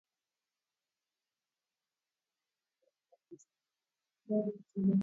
ka kumi na nne ilikuwa vita sasa watu wanaaza kazi